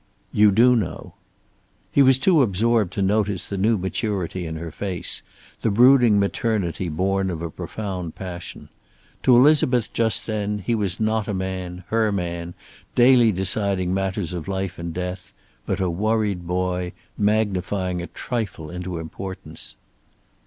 "You do know." He was too absorbed to notice the new maturity in her face, the brooding maternity born of a profound passion. To Elizabeth just then he was not a man, her man, daily deciding matters of life and death, but a worried boy, magnifying a trifle into importance.